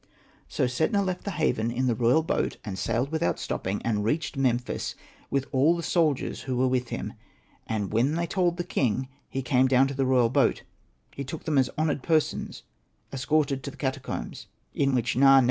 So Setna left the haven in the royal boat, and sailed without stopping, and reached Memphis with all the soldiers who were with him. And when they told the king he came down to the royal boat. He took them as honoured persons escorted to the catacombs, in which Na.